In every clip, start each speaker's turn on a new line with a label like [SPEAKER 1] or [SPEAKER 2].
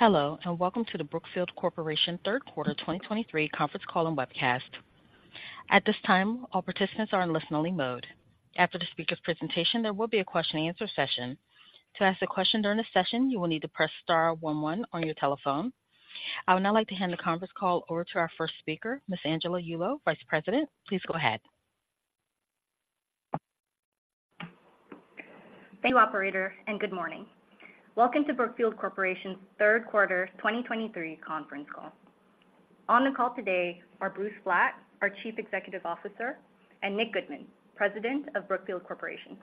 [SPEAKER 1] Hello, and welcome to the Brookfield Corporation Third Quarter 2023 conference call and webcast. At this time, all participants are in listen-only mode. After the speaker's presentation, there will be a question-and-answer session. To ask a question during the session, you will need to press star one one on your telephone. I would now like to hand the conference call over to our first speaker, Miss Angela Yulo, Vice President. Please go ahead.
[SPEAKER 2] Thank you, operator, and good morning. Welcome to Brookfield Corporation's third quarter 2023 conference call. On the call today are Bruce Flatt, our Chief Executive Officer, and Nick Goodman, President of Brookfield Corporation.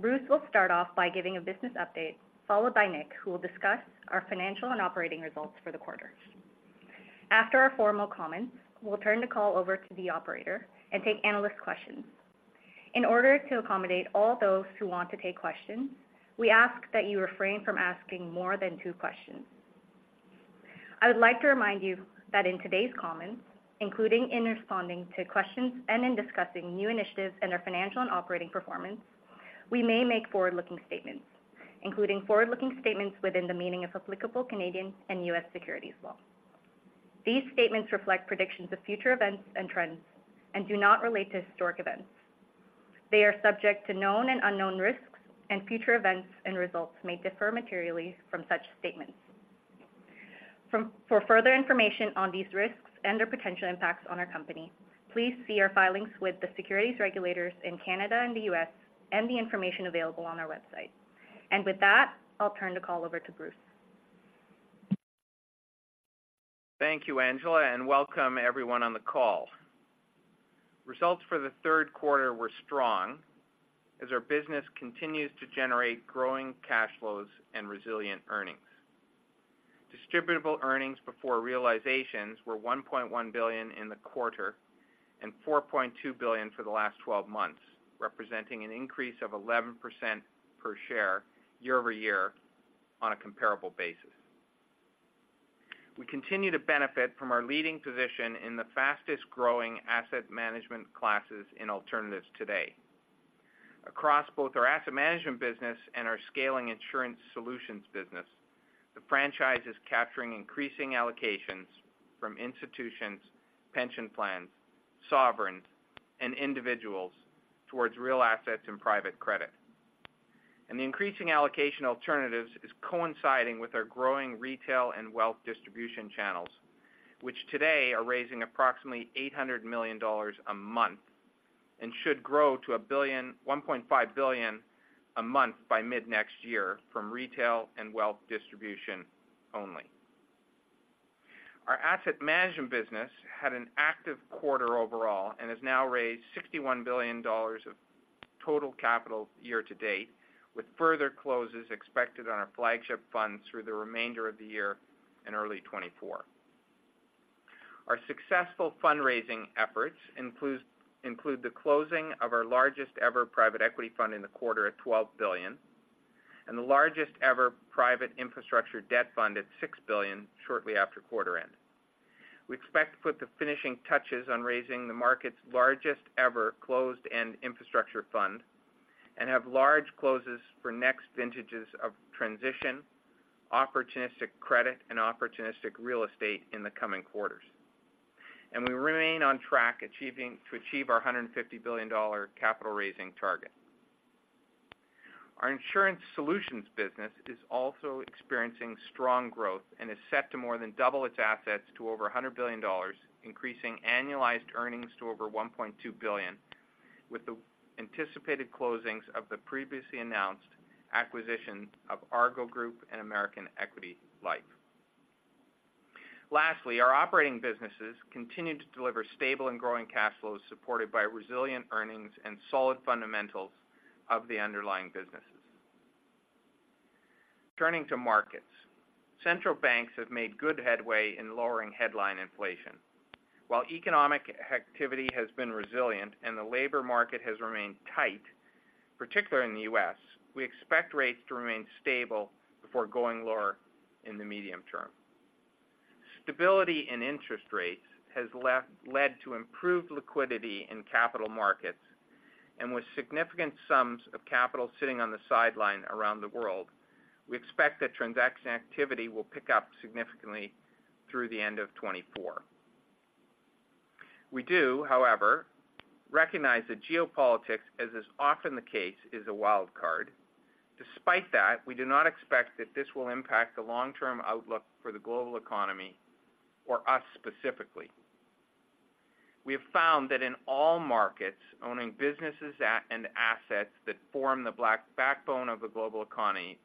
[SPEAKER 2] Bruce will start off by giving a business update, followed by Nick, who will discuss our financial and operating results for the quarter. After our formal comments, we'll turn the call over to the operator and take analyst questions. In order to accommodate all those who want to take questions, we ask that you refrain from asking more than two questions. I would like to remind you that in today's comments, including in responding to questions and in discussing new initiatives and our financial and operating performance, we may make forward-looking statements, including forward-looking statements within the meaning of applicable Canadian and U.S. securities law. These statements reflect predictions of future events and trends and do not relate to historic events. They are subject to known and unknown risks, and future events and results may differ materially from such statements. For further information on these risks and their potential impacts on our company, please see our filings with the securities regulators in Canada and the U.S. and the information available on our website. With that, I'll turn the call over to Bruce.
[SPEAKER 3] Thank you, Angela, and welcome everyone on the call. Results for the third quarter were strong as our business continues to generate growing cash flows and resilient earnings. Distributable Earnings before realizations were $1.1 billion in the quarter and $4.2 billion for the last 12 months, representing an increase of 11% per share year-over-year on a comparable basis. We continue to benefit from our leading position in the fastest-growing asset management classes in alternatives today. Across both our asset management business and our scaling insurance solutions business, the franchise is capturing increasing allocations from institutions, pension plans, sovereigns, and individuals towards real assets and private credit. The increasing allocation alternatives is coinciding with our growing retail and wealth distribution channels, which today are raising approximately $800 million a month and should grow to $1 billion-$1.5 billion a month by mid-next year from retail and wealth distribution only. Our asset management business had an active quarter overall and has now raised $61 billion of total capital year to date, with further closes expected on our flagship funds through the remainder of the year and early 2024. Our successful fundraising efforts include the closing of our largest-ever private equity fund in the quarter at $12 billion and the largest-ever private infrastructure debt fund at $6 billion shortly after quarter end. We expect to put the finishing touches on raising the market's largest ever closed-end infrastructure fund and have large closes for next vintages of transition, opportunistic credit, and opportunistic real estate in the coming quarters. We remain on track to achieve our $150 billion capital raising target. Our insurance solutions business is also experiencing strong growth and is set to more than double its assets to over $100 billion, increasing annualized earnings to over $1.2 billion, with the anticipated closings of the previously announced acquisition of Argo Group and American Equity Life. Lastly, our operating businesses continue to deliver stable and growing cash flows, supported by resilient earnings and solid fundamentals of the underlying businesses turning to markets. Central banks have made good headway in lowering headline inflation. While economic activity has been resilient and the labor market has remained tight, particularly in the U.S., we expect rates to remain stable before going lower in the medium term. Stability in interest rates has led to improved liquidity in capital markets, and with significant sums of capital sitting on the sideline around the world, we expect that transaction activity will pick up significantly through the end of 2024. We do, however, recognize that geopolitics, as is often the case, is a wild card. Despite that, we do not expect that this will impact the long-term outlook for the global economy or us specifically. We have found that in all markets, owning businesses and assets that form the backbone of the global economy,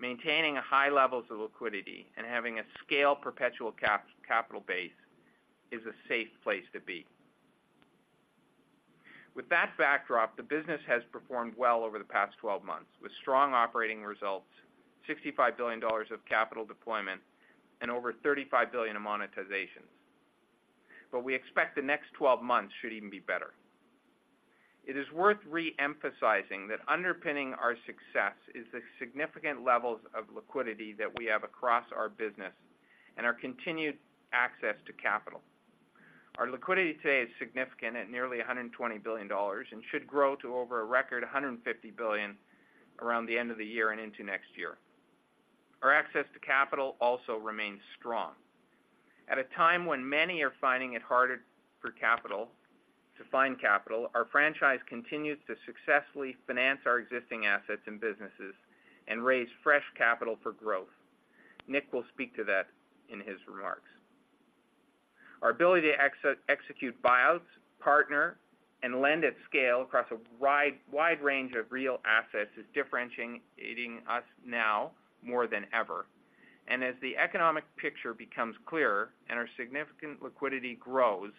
[SPEAKER 3] maintaining a high levels of liquidity and having a scale perpetual capital base is a safe place to be. With that backdrop, the business has performed well over the past 12 months, with strong operating results, $65 billion of capital deployment and over $35 billion in monetizations. But we expect the next 12 months should even be better. It is worth re-emphasizing that underpinning our success is the significant levels of liquidity that we have across our business and our continued access to capital... Our liquidity today is significant at nearly $120 billion, and should grow to over a record $150 billion around the end of the year and into next year. Our access to capital also remains strong. At a time when many are finding it harder for capital to find capital, our franchise continues to successfully finance our existing assets and businesses and raise fresh capital for growth. Nick will speak to that in his remarks. Our ability to execute buyouts, partner, and lend at scale across a wide, wide range of real assets is differentiating us now more than ever. And as the economic picture becomes clearer and our significant liquidity grows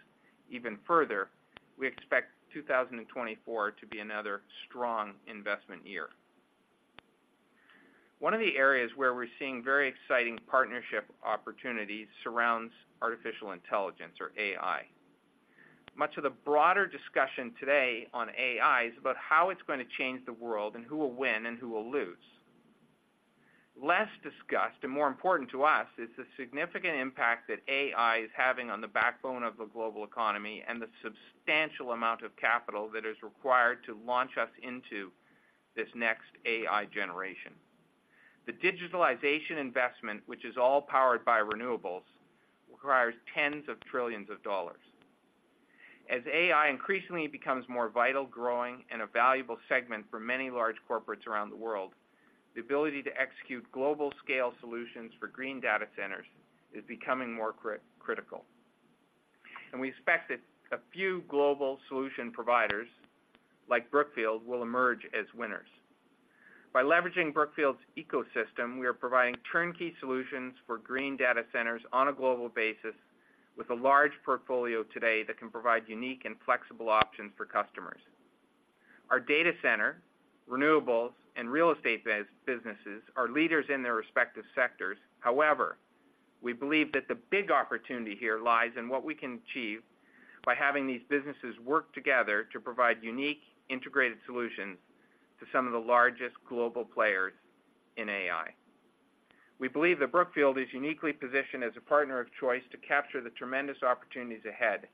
[SPEAKER 3] even further, we expect 2024 to be another strong investment year. One of the areas where we're seeing very exciting partnership opportunities surrounds artificial intelligence, or AI. Much of the broader discussion today on AI is about how it's going to change the world and who will win and who will lose. Less discussed, and more important to us, is the significant impact that AI is having on the backbone of the global economy and the substantial amount of capital that is required to launch us into this next AI generation. The digitalization investment, which is all powered by renewables, requires $10s of trillions. As AI increasingly becomes more vital, growing, and a valuable segment for many large corporates around the world, the ability to execute global-scale solutions for green data centers is becoming more critical, and we expect that a few global solution providers, like Brookfield, will emerge as winners. By leveraging Brookfield's ecosystem, we are providing turnkey solutions for green data centers on a global basis, with a large portfolio today that can provide unique and flexible options for customers. Our data center, renewables, and real estate businesses are leaders in their respective sectors. However, we believe that the big opportunity here lies in what we can achieve by having these businesses work together to provide unique, integrated solutions to some of the largest global players in AI. We believe that Brookfield is uniquely positioned as a partner of choice to capture the tremendous opportunities ahead,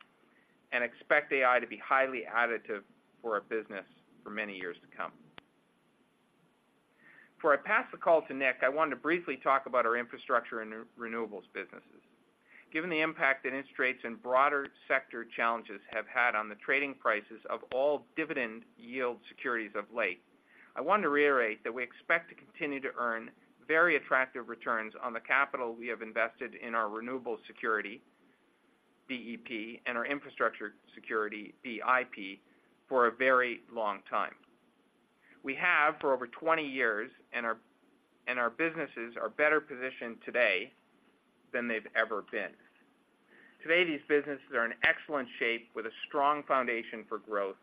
[SPEAKER 3] and expect AI to be highly additive for our business for many years to come. Before I pass the call to Nick, I wanted to briefly talk about our infrastructure and renewables businesses. Given the impact that interest rates and broader sector challenges have had on the trading prices of all dividend yield securities of late, I want to reiterate that we expect to continue to earn very attractive returns on the capital we have invested in our renewables security, BEP, and our infrastructure security, BIP, for a very long time. We have for over 20 years, and our businesses are better positioned today than they've ever been. Today, these businesses are in excellent shape with a strong foundation for growth.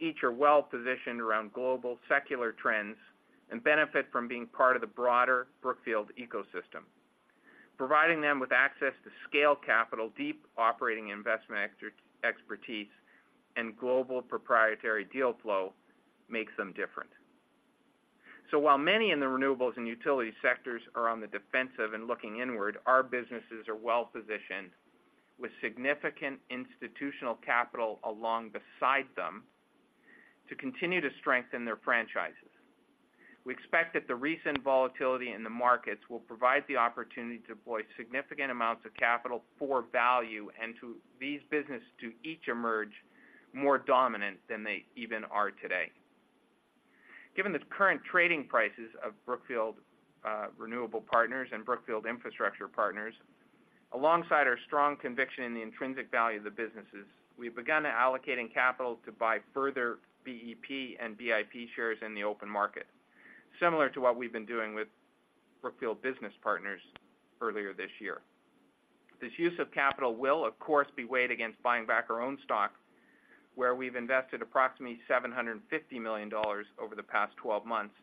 [SPEAKER 3] Each are well-positioned around global secular trends and benefit from being part of the broader Brookfield ecosystem. Providing them with access to scale capital, deep operating investment expertise, and global proprietary deal flow makes them different. So while many in the renewables and utility sectors are on the defensive and looking inward, our businesses are well-positioned with significant institutional capital along beside them to continue to strengthen their franchises. We expect that the recent volatility in the markets will provide the opportunity to deploy significant amounts of capital for value and to these businesses to each emerge more dominant than they even are today. Given the current trading prices of Brookfield Renewable Partners and Brookfield Infrastructure Partners, alongside our strong conviction in the intrinsic value of the businesses, we've begun allocating capital to buy further BEP and BIP shares in the open market, similar to what we've been doing with Brookfield Business Partners earlier this year. This use of capital will, of course, be weighed against buying back our own stock, where we've invested approximately $750 million over the past 12 months,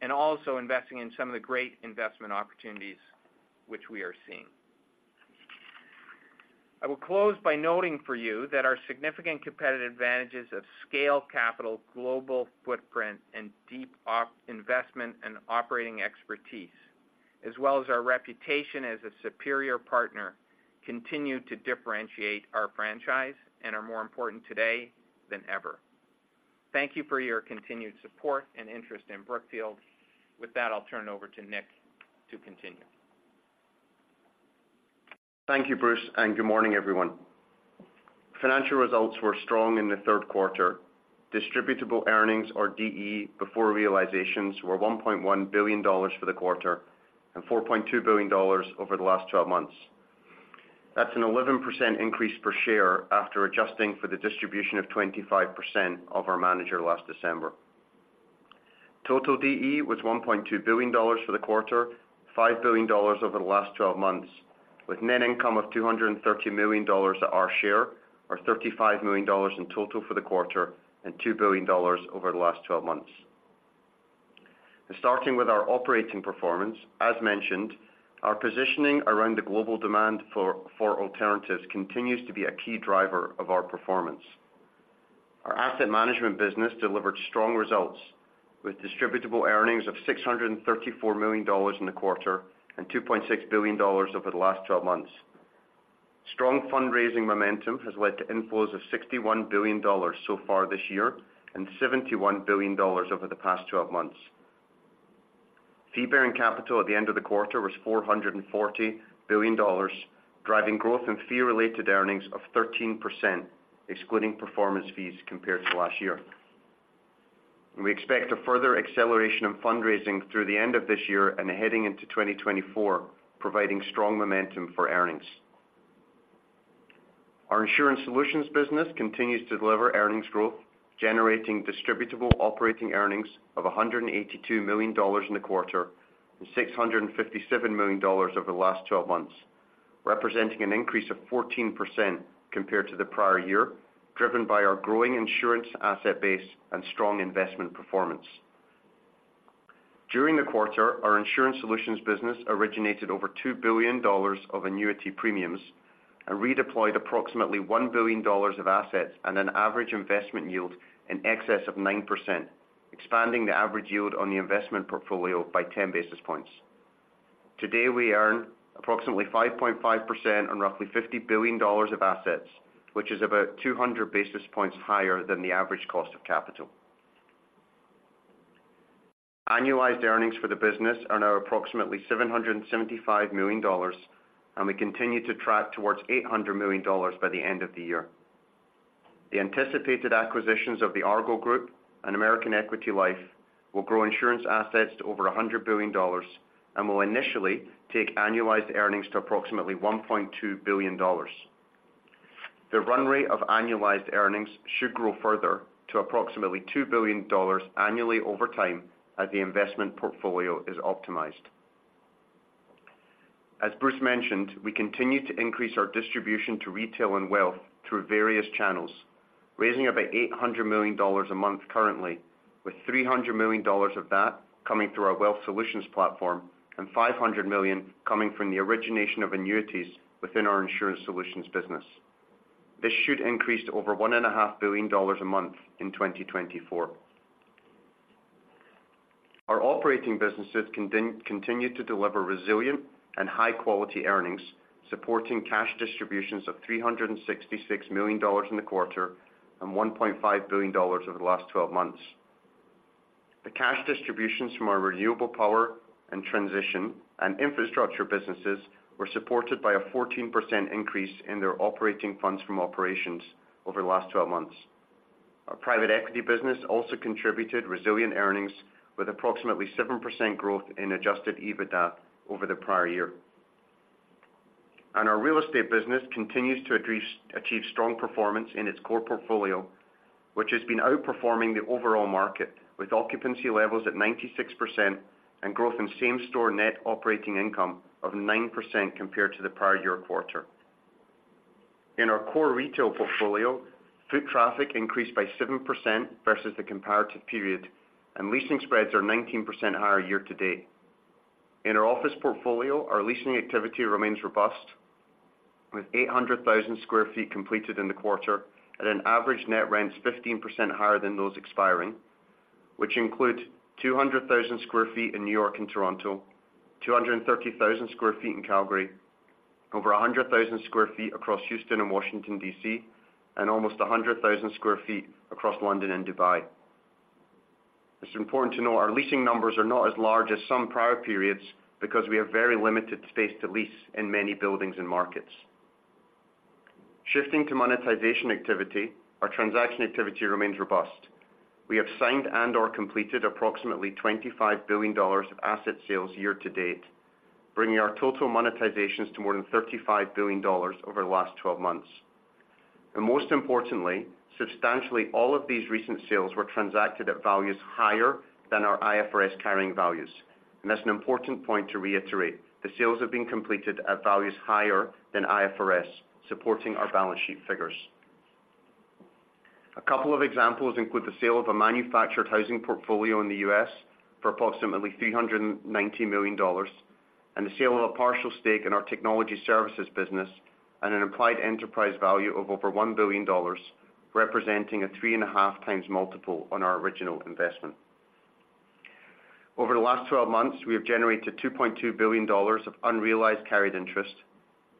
[SPEAKER 3] and also investing in some of the great investment opportunities which we are seeing. I will close by noting for you that our significant competitive advantages of scale, capital, global footprint, and deep investment and operating expertise, as well as our reputation as a superior partner, continue to differentiate our franchise and are more important today than ever. Thank you for your continued support and interest in Brookfield. With that, I'll turn it over to Nick to continue.
[SPEAKER 4] Thank you, Bruce, and good morning, everyone. Financial results were strong in the third quarter. Distributable Earnings, or DE, before realizations, were $1.1 billion for the quarter and $4.2 billion over the last twelve months. That's an 11% increase per share after adjusting for the distribution of 25% of our manager last December. Total DE was $1.2 billion for the quarter, $5 billion over the last twelve months, with net income of $230 million at our share, or $35 million in total for the quarter, and $2 billion over the last twelve months. Starting with our operating performance, as mentioned, our positioning around the global demand for alternatives continues to be a key driver of our performance.... Our asset management business delivered strong results, with Distributable Earnings of $634 million in the quarter and $2.6 billion over the last 12 months. Strong fundraising momentum has led to inflows of $61 billion so far this year and $71 billion over the past twelve months. Fee-Bearing Capital at the end of the quarter was $440 billion, driving growth in Fee-Related Earnings of 13%, excluding performance fees compared to last year. We expect a further acceleration in fundraising through the end of this year and heading into 2024, providing strong momentum for earnings. Our insurance solutions business continues to deliver earnings growth, generating distributable operating earnings of $182 million in the quarter, and $657 million over the last twelve months, representing an increase of 14% compared to the prior year, driven by our growing insurance asset base and strong investment performance. During the quarter, our insurance solutions business originated over $2 billion of annuity premiums and redeployed approximately $1 billion of assets at an average investment yield in excess of 9%, expanding the average yield on the investment portfolio by 10 basis points. Today, we earn approximately 5.5% on roughly $50 billion of assets, which is about 200 basis points higher than the average cost of capital. Annualized earnings for the business are now approximately $775 million, and we continue to track towards $800 million by the end of the year. The anticipated acquisitions of the Argo Group and American Equity Life will grow insurance assets to over $100 billion and will initially take annualized earnings to approximately $1.2 billion. The run rate of annualized earnings should grow further to approximately $2 billion annually over time as the investment portfolio is optimized. As Bruce mentioned, we continue to increase our distribution to retail and wealth through various channels, raising about $800 million a month currently, with $300 million of that coming through our wealth solutions platform and $500 million coming from the origination of annuities within our insurance solutions business. This should increase to over $1.5 billion a month in 2024. Our operating businesses continue to deliver resilient and high-quality earnings, supporting cash distributions of $366 million in the quarter and $1.5 billion over the last twelve months. The cash distributions from our renewable power and transition and infrastructure businesses were supported by a 14% increase in their operating funds from operations over the last twelve months. Our private equity business also contributed resilient earnings, with approximately 7% growth in adjusted EBITDA over the prior year. Our real estate business continues to achieve strong performance in its core portfolio, which has been outperforming the overall market, with occupancy levels at 96% and growth in same-store net operating income of 9% compared to the prior year quarter. In our core retail portfolio, foot traffic increased by 7% versus the comparative period, and leasing spreads are 19% higher year to date. In our office portfolio, our leasing activity remains robust, with 800,000 sq ft completed in the quarter at an average net rents 15% higher than those expiring, which include 200,000 sq ft in New York and Toronto, 230,000 sq ft in Calgary, over 100,000 sq ft across Houston and Washington, D.C., and almost 100,000 sq ft across London and Dubai. It's important to know our leasing numbers are not as large as some prior periods because we have very limited space to lease in many buildings and markets. Shifting to monetization activity, our transaction activity remains robust. We have signed and/or completed approximately $25 billion of asset sales year to date, bringing our total monetizations to more than $35 billion over the last 12 months. Most importantly, substantially all of these recent sales were transacted at values higher than our IFRS carrying values. That's an important point to reiterate. The sales have been completed at values higher than IFRS, supporting our balance sheet figures. A couple of examples include the sale of a manufactured housing portfolio in the U.S. for approximately $390 million, and the sale of a partial stake in our technology services business at an implied enterprise value of over $1 billion, representing a 3.5x multiple on our original investment. Over the last 12 months, we have generated $2.2 billion of unrealized carried interest,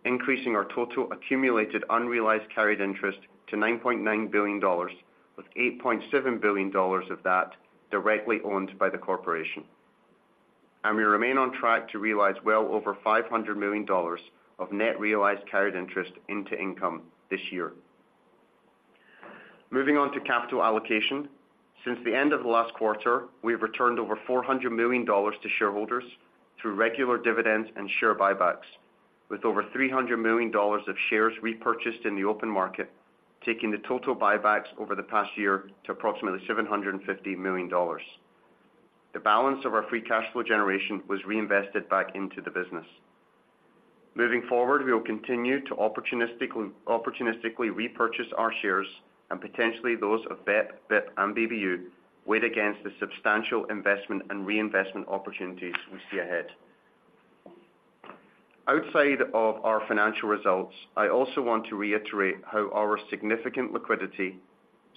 [SPEAKER 4] increasing our total accumulated unrealized carried interest to $9.9 billion, with $8.7 billion of that directly owned by the corporation. We remain on track to realize well over $500 million of net realized carried interest into income this year. Moving on to capital allocation. Since the end of the last quarter, we have returned over $400 million to shareholders through regular dividends and share buybacks, with over $300 million of shares repurchased in the open market, taking the total buybacks over the past year to approximately $750 million. The balance of our free cash flow generation was reinvested back into the business. Moving forward, we will continue to opportunistically repurchase our shares and potentially those of BEP, BIP, and BBU, weighed against the substantial investment and reinvestment opportunities we see ahead. Outside of our financial results, I also want to reiterate how our significant liquidity,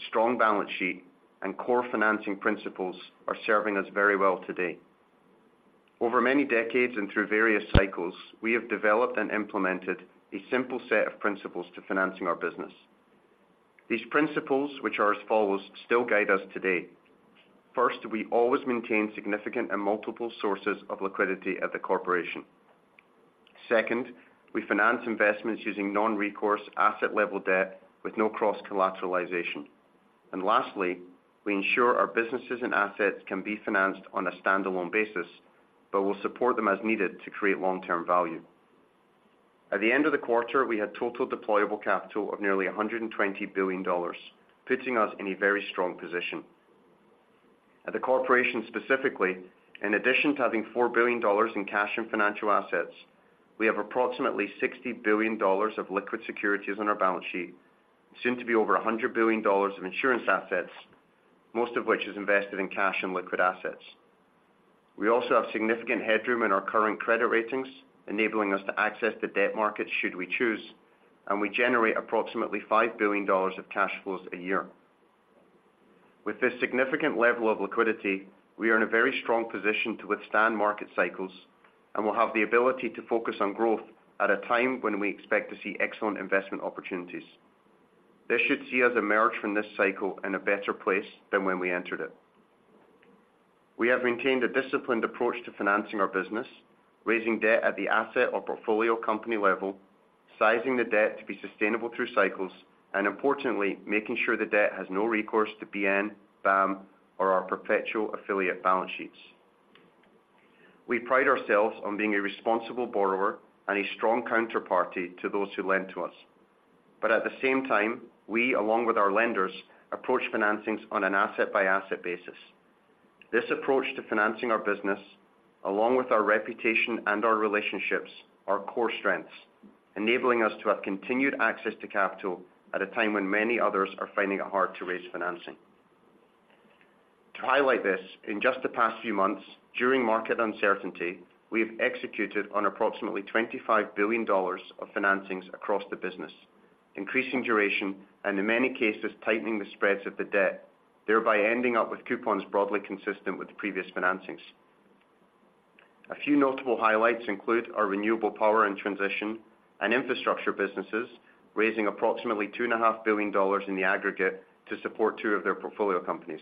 [SPEAKER 4] strong balance sheet, and core financing principles are serving us very well today. Over many decades and through various cycles, we have developed and implemented a simple set of principles to financing our business. These principles, which are as follows, still guide us today. First, we always maintain significant and multiple sources of liquidity at the corporation. Second, we finance investments using non-recourse asset level debt with no cross-collateralization. And lastly, we ensure our businesses and assets can be financed on a standalone basis, but we'll support them as needed to create long-term value. At the end of the quarter, we had total deployable capital of nearly $120 billion, putting us in a very strong position. At the corporation specifically, in addition to having $4 billion in cash and financial assets, we have approximately $60 billion of liquid securities on our balance sheet, soon to be over $100 billion of insurance assets, most of which is invested in cash and liquid assets. We also have significant headroom in our current credit ratings, enabling us to access the debt markets should we choose, and we generate approximately $5 billion of cash flows a year. With this significant level of liquidity, we are in a very strong position to withstand market cycles, and we'll have the ability to focus on growth at a time when we expect to see excellent investment opportunities. This should see us emerge from this cycle in a better place than when we entered it. We have maintained a disciplined approach to financing our business, raising debt at the asset or portfolio company level, sizing the debt to be sustainable through cycles, and importantly, making sure the debt has no recourse to BN, BAM, or our perpetual affiliate balance sheets. We pride ourselves on being a responsible borrower and a strong counterparty to those who lend to us. But at the same time, we, along with our lenders, approach financings on an asset-by-asset basis. This approach to financing our business, along with our reputation and our relationships, are core strengths, enabling us to have continued access to capital at a time when many others are finding it hard to raise financing. To highlight this, in just the past few months, during market uncertainty, we have executed on approximately $25 billion of financings across the business, increasing duration and, in many cases, tightening the spreads of the debt, thereby ending up with coupons broadly consistent with the previous financings. A few notable highlights include our renewable power and transition and infrastructure businesses, raising approximately $2.5 billion in the aggregate to support two of their portfolio companies.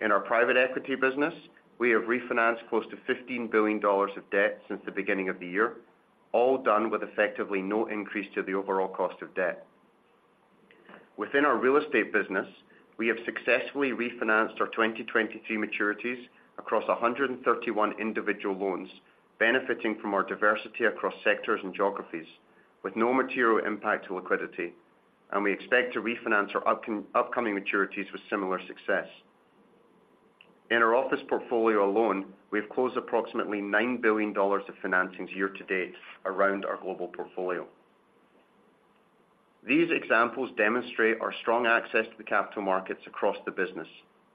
[SPEAKER 4] In our private equity business, we have refinanced close to $15 billion of debt since the beginning of the year, all done with effectively no increase to the overall cost of debt. Within our real estate business, we have successfully refinanced our 2023 maturities across 131 individual loans, benefiting from our diversity across sectors and geographies, with no material impact to liquidity, and we expect to refinance our upcoming maturities with similar success. In our office portfolio alone, we have closed approximately $9 billion of financings year to date around our global portfolio. These examples demonstrate our strong access to the capital markets across the business,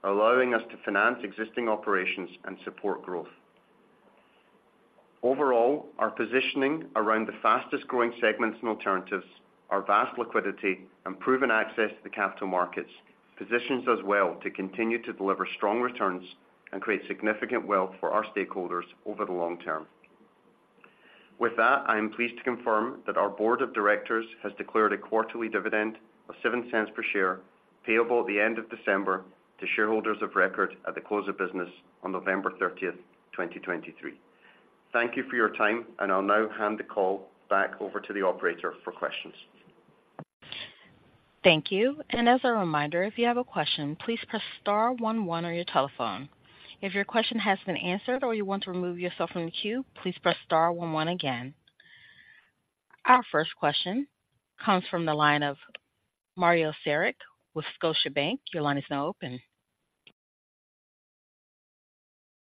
[SPEAKER 4] allowing us to finance existing operations and support growth. Overall, our positioning around the fastest-growing segments and alternatives, our vast liquidity, and proven access to the capital markets positions us well to continue to deliver strong returns and create significant wealth for our stakeholders over the long term. With that, I am pleased to confirm that our board of directors has declared a quarterly dividend of $0.07 per share, payable at the end of December to shareholders of record at the close of business on November 30th, 2023. Thank you for your time, and I'll now hand the call back over to the operator for questions.
[SPEAKER 1] Thank you. And as a reminder, if you have a question, please press star one one on your telephone. If your question has been answered or you want to remove yourself from the queue, please press star one one again. Our first question comes from the line of Mario Saric with Scotiabank. Your line is now open.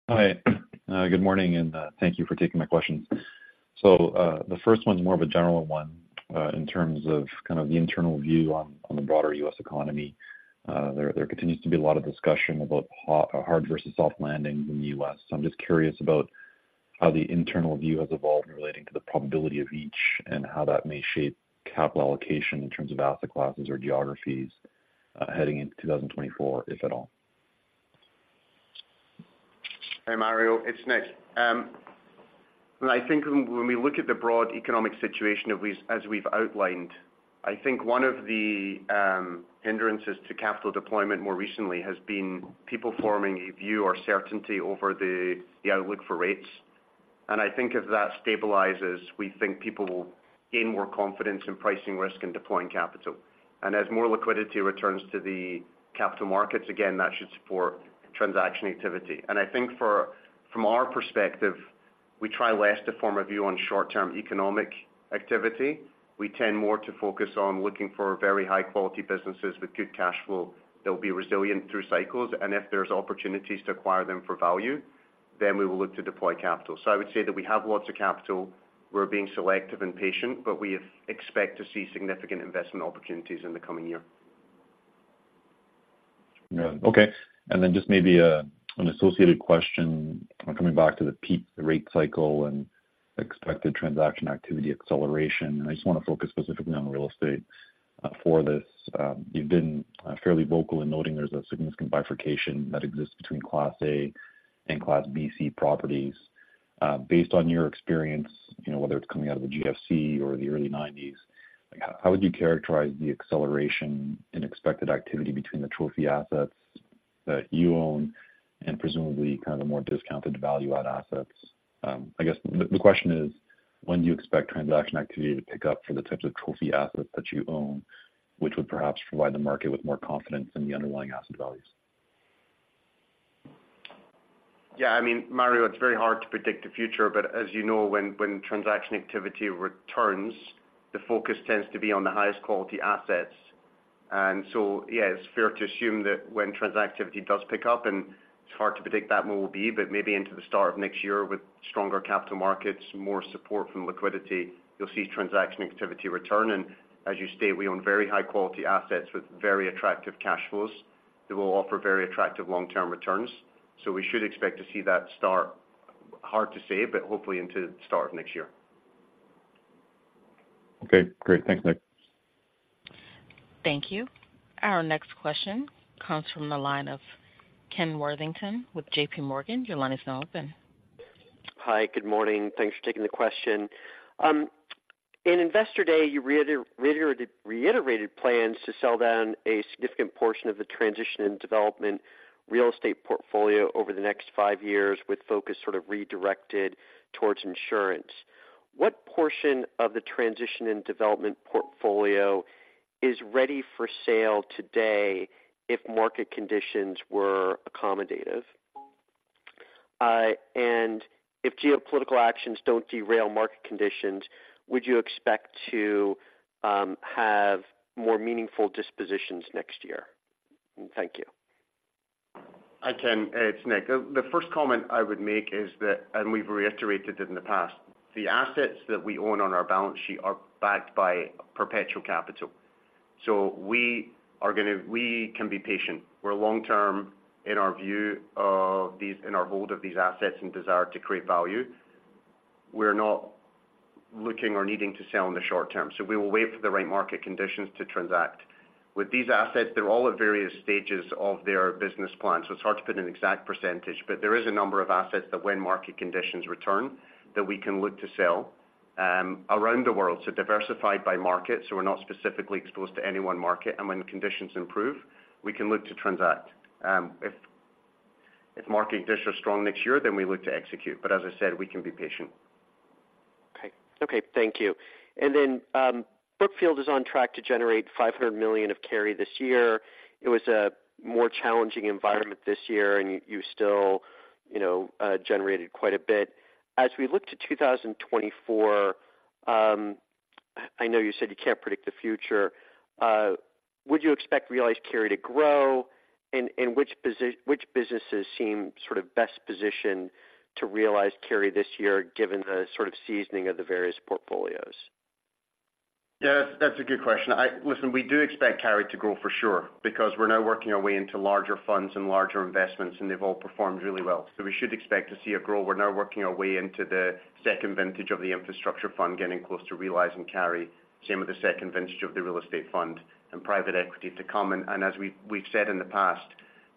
[SPEAKER 5] Hi, good morning, and thank you for taking my questions. So, the first one is more of a general one, in terms of kind of the internal view on the broader U.S. economy. There continues to be a lot of discussion about hard versus soft landing in the U.S. So I'm just curious about how the internal view has evolved relating to the probability of each, and how that may shape capital allocation in terms of asset classes or geographies, heading into 2024, if at all.
[SPEAKER 4] Hey, Mario, it's Nick. When we look at the broad economic situation that we've as we've outlined, I think one of the hindrances to capital deployment more recently has been people forming a view or certainty over the outlook for rates. And I think as that stabilizes, we think people will gain more confidence in pricing risk and deploying capital. And as more liquidity returns to the capital markets, again, that should support transaction activity. And I think from our perspective, we try less to form a view on short-term economic activity. We tend more to focus on looking for very high-quality businesses with good cash flow that will be resilient through cycles. And if there's opportunities to acquire them for value, then we will look to deploy capital. So I would say that we have lots of capital. We're being selective and patient, but we expect to see significant investment opportunities in the coming year....
[SPEAKER 5] Yeah. Okay, and then just maybe, an associated question coming back to the peak rate cycle and expected transaction activity acceleration. I just want to focus specifically on real estate, for this. You've been, fairly vocal in noting there's a significant bifurcation that exists between Class A and Class B, C properties. Based on your experience, you know, whether it's coming out of the GFC or the early nineties, like, how would you characterize the acceleration in expected activity between the trophy assets that you own and presumably kind of the more discounted value-add assets? I guess the, the question is, when do you expect transaction activity to pick up for the types of trophy assets that you own, which would perhaps provide the market with more confidence in the underlying asset values?
[SPEAKER 4] Yeah, I mean, Mario, it's very hard to predict the future, but as you know, when, when transaction activity returns, the focus tends to be on the highest quality assets. And so, yeah, it's fair to assume that when transaction activity does pick up, and it's hard to predict that when will be, but maybe into the start of next year with stronger capital markets, more support from liquidity, you'll see transaction activity return. And as you state, we own very high quality assets with very attractive cash flows that will offer very attractive long-term returns. So we should expect to see that start, hard to say, but hopefully into the start of next year.
[SPEAKER 5] Okay, great. Thanks, Nick.
[SPEAKER 1] Thank you. Our next question comes from the line of Ken Worthington with JPMorgan. Your line is now open.
[SPEAKER 6] Hi, good morning. Thanks for taking the question. In Investor Day, you reiterated plans to sell down a significant portion of the transition and development real estate portfolio over the next five years, with focus sort of redirected towards insurance. What portion of the transition and development portfolio is ready for sale today if market conditions were accommodative? And if geopolitical actions don't derail market conditions, would you expect to have more meaningful dispositions next year? Thank you.
[SPEAKER 4] Hi, Ken, it's Nick. The first comment I would make is that, and we've reiterated it in the past, the assets that we own on our balance sheet are backed by perpetual capital. So we are gonna. We can be patient. We're long-term in our view of these, in our hold of these assets and desire to create value. We're not looking or needing to sell in the short term, so we will wait for the right market conditions to transact. With these assets, they're all at various stages of their business plan, so it's hard to put an exact percentage, but there is a number of assets that when market conditions return, that we can look to sell around the world, so diversified by market. So we're not specifically exposed to any one market, and when conditions improve, we can look to transact. If market conditions are strong next year, then we look to execute. But as I said, we can be patient.
[SPEAKER 6] Okay. Okay, thank you. And then, Brookfield is on track to generate $500 million of carry this year. It was a more challenging environment this year, and you, you still, you know, generated quite a bit. As we look to 2024, I know you said you can't predict the future. Would you expect realized carry to grow? And, and which businesses seem sort of best positioned to realize carry this year, given the sort of seasoning of the various portfolios?
[SPEAKER 4] Yeah, that's, that's a good question. Listen, we do expect carry to grow for sure, because we're now working our way into larger funds and larger investments, and they've all performed really well. So we should expect to see a growth. We're now working our way into the second vintage of the infrastructure fund, getting close to realizing carry. Same with the second vintage of the real estate fund and private equity to come. And, and as we've, we've said in the past,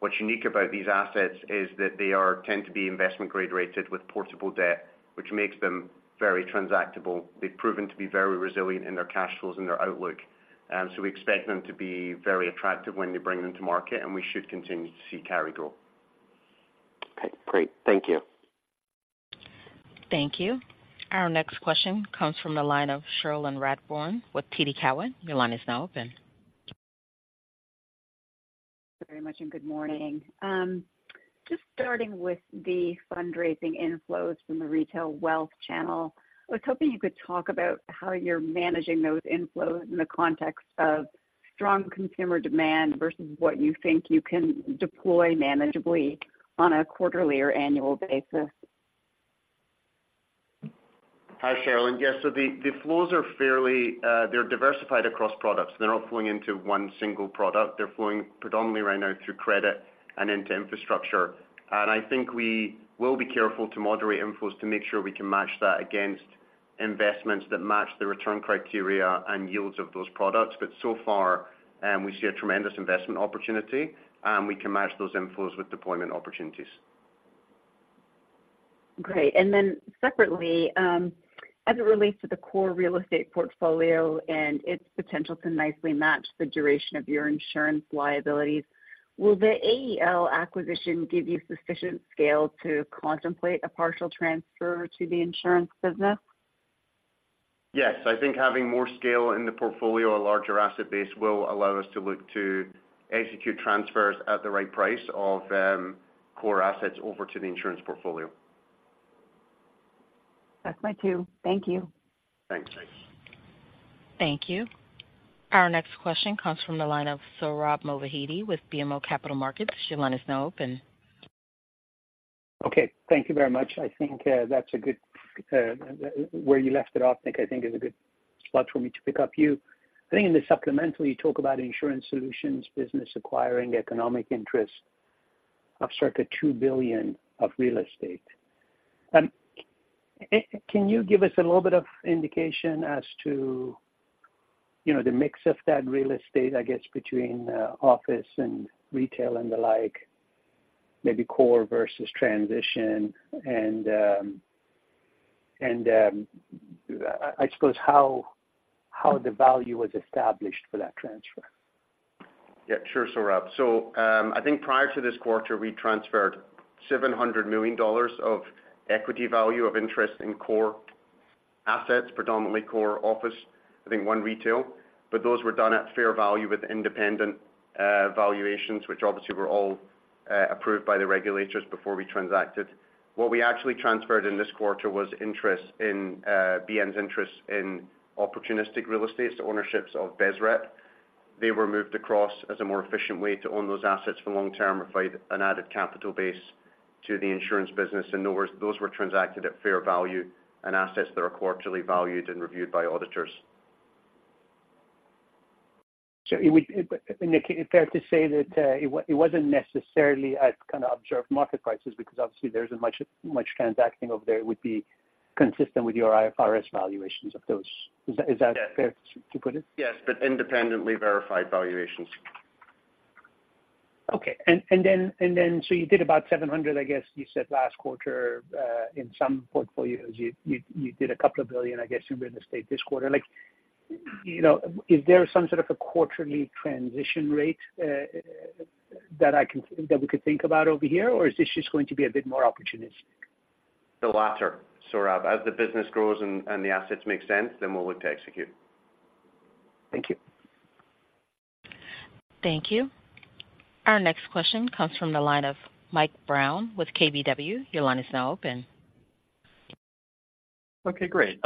[SPEAKER 4] what's unique about these assets is that they are, tend to be investment grade rated with portable debt, which makes them very transactable. They've proven to be very resilient in their cash flows and their outlook. So we expect them to be very attractive when we bring them to market, and we should continue to see carry grow.
[SPEAKER 6] Okay, great. Thank you.
[SPEAKER 1] Thank you. Our next question comes from the line of Cherilyn Radbourne with TD Cowen. Your line is now open.
[SPEAKER 7] Thank you very much, and good morning. Just starting with the fundraising inflows from the retail wealth channel. I was hoping you could talk about how you're managing those inflows in the context of strong consumer demand versus what you think you can deploy manageably on a quarterly or annual basis.
[SPEAKER 4] Hi, Cherilyn. Yes, so the flows are fairly, they're diversified across products. They're not flowing into one single product. They're flowing predominantly right now through credit and into infrastructure. And I think we will be careful to moderate inflows to make sure we can match that against investments that match the return criteria and yields of those products. But so far, we see a tremendous investment opportunity, and we can match those inflows with deployment opportunities.
[SPEAKER 7] Great. Then separately, as it relates to the core real estate portfolio and its potential to nicely match the duration of your insurance liabilities, will the AEL acquisition give you sufficient scale to contemplate a partial transfer to the insurance business?
[SPEAKER 4] Yes, I think having more scale in the portfolio, a larger asset base, will allow us to look to execute transfers at the right price of core assets over to the insurance portfolio.
[SPEAKER 7] That's my two. Thank you.
[SPEAKER 4] Thanks.
[SPEAKER 1] Thank you. Our next question comes from the line of Sohrab Movahedi with BMO Capital Markets. Your line is now open....
[SPEAKER 8] Okay, thank you very much. I think, that's a good, where you left it off, I think, I think is a good spot for me to pick up you. I think in the supplemental, you talk about insurance solutions, business acquiring economic interest of circa $2 billion of real estate. Can you give us a little bit of indication as to, you know, the mix of that real estate, I guess, between, office and retail and the like, maybe core versus transition, and, and, I suppose how the value was established for that transfer?
[SPEAKER 4] Yeah, sure, Sohrab. So, I think prior to this quarter, we transferred $700 million of equity value of interest in core assets, predominantly core office, I think one retail. But those were done at fair value with independent valuations, which obviously were all approved by the regulators before we transacted. What we actually transferred in this quarter was interest in BN's interest in opportunistic real estates, the ownerships of BSREIT. They were moved across as a more efficient way to own those assets for the long term, provide an added capital base to the insurance business, and those were transacted at fair value and assets that are quarterly valued and reviewed by auditors.
[SPEAKER 8] So it would, but, Nick, is it fair to say that it wasn't necessarily at kind of observed market prices? Because obviously there isn't much transacting over there would be consistent with your IFRS valuations of those. Is that fair to put it?
[SPEAKER 4] Yes, but independently verified valuations.
[SPEAKER 8] Okay. And then so you did about $700 million, I guess you said last quarter, in some portfolios, you did $2 billion, I guess, in real estate this quarter. Like, you know, is there some sort of a quarterly transition rate that I can... That we could think about over here? Or is this just going to be a bit more opportunistic?
[SPEAKER 4] The latter, Sohrab. As the business grows and the assets make sense, then we'll look to execute.
[SPEAKER 8] Thank you.
[SPEAKER 1] Thank you. Our next question comes from the line of Mike Brown with KBW. Your line is now open.
[SPEAKER 9] Okay, great.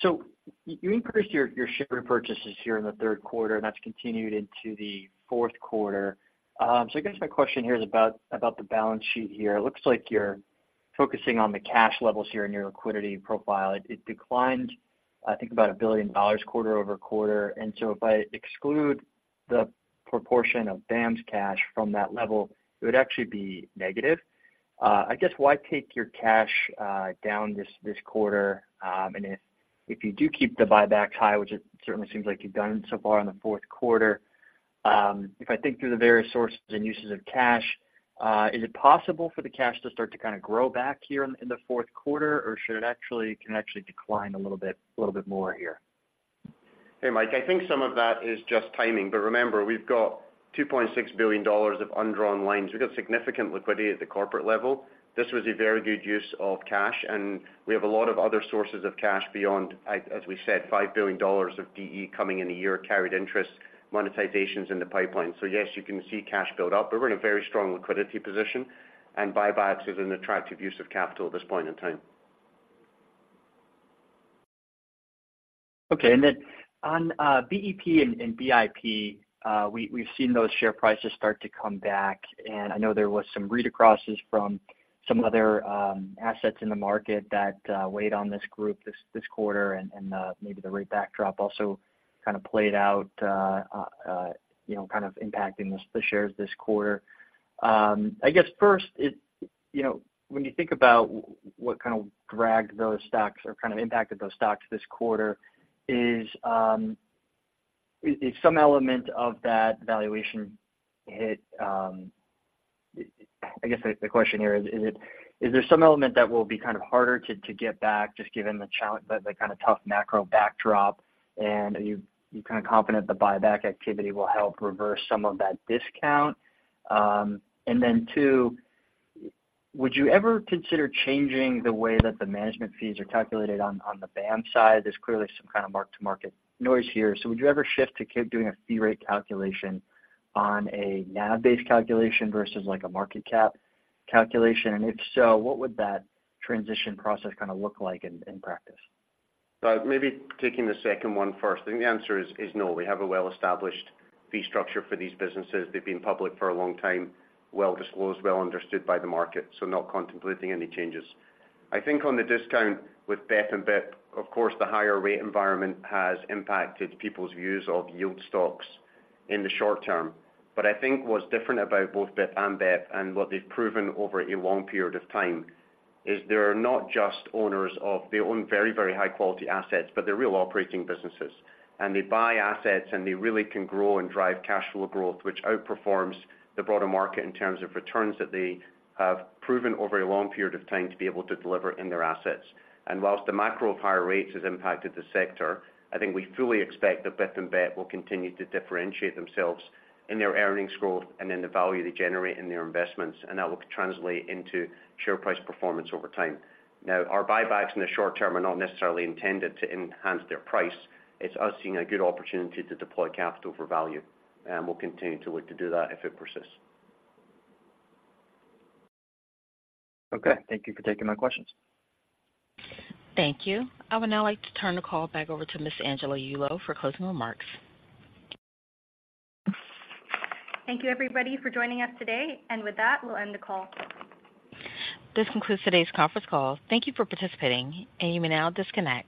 [SPEAKER 9] So you increased your share repurchases here in the third quarter, and that's continued into the fourth quarter. So I guess my question here is about the balance sheet here. It looks like you're focusing on the cash levels here in your liquidity profile. It declined, I think, about $1 billion quarter-over-quarter. And so if I exclude the proportion of BAM's cash from that level, it would actually be negative. I guess, why take your cash down this quarter? If you do keep the buybacks high, which it certainly seems like you've done so far in the fourth quarter, if I think through the various sources and uses of cash, is it possible for the cash to start to kind of grow back here in the fourth quarter, or should it actually decline a little bit more here?
[SPEAKER 4] Hey, Mike, I think some of that is just timing, but remember, we've got $2.6 billion of undrawn lines. We've got significant liquidity at the corporate level. This was a very good use of cash, and we have a lot of other sources of cash beyond, as we said, $5 billion of DE coming in the year, carried interest, monetizations in the pipeline. So yes, you can see cash build up, but we're in a very strong liquidity position, and buybacks is an attractive use of capital at this point in time.
[SPEAKER 9] Okay. And then on BEP and BIP, we've seen those share prices start to come back, and I know there was some read acrosses from some other assets in the market that weighed on this group this quarter, and maybe the rate backdrop also kind of played out, you know, kind of impacting the shares this quarter. I guess first, you know, when you think about what kind of dragged those stocks or kind of impacted those stocks this quarter, is some element of that valuation hit. I guess the question here is, is it, is there some element that will be kind of harder to get back, just given the challenge, the kind of tough macro backdrop, and are you kind of confident the buyback activity will help reverse some of that discount? And then two, would you ever consider changing the way that the management fees are calculated on the BAM side? There's clearly some kind of mark-to-market noise here. So would you ever shift to keep doing a fee rate calculation on a NAV-based calculation versus like a market cap calculation? And if so, what would that transition process kind of look like in practice?
[SPEAKER 4] So maybe taking the second one first. I think the answer is no. We have a well-established fee structure for these businesses. They've been public for a long time, well disclosed, well understood by the market, so not contemplating any changes. I think on the discount with BEP and BIP, of course, the higher rate environment has impacted people's views of yield stocks in the short term. But I think what's different about both BIP and BEP, and what they've proven over a long period of time, is they're not just owners of they own very, very high-quality assets, but they're real operating businesses. And they buy assets, and they really can grow and drive cash flow growth, which outperforms the broader market in terms of returns that they have proven over a long period of time to be able to deliver in their assets. While the macro of higher rates has impacted the sector, I think we fully expect that BIP and BEP will continue to differentiate themselves in their earnings growth and in the value they generate in their investments, and that will translate into share price performance over time. Now, our buybacks in the short term are not necessarily intended to enhance their price. It's us seeing a good opportunity to deploy capital for value, and we'll continue to look to do that if it persists.
[SPEAKER 9] Okay. Thank you for taking my questions.
[SPEAKER 1] Thank you. I would now like to turn the call back over to Miss Angela Yulo for closing remarks.
[SPEAKER 2] Thank you, everybody, for joining us today. With that, we'll end the call.
[SPEAKER 1] This concludes today's conference call. Thank you for participating, and you may now disconnect.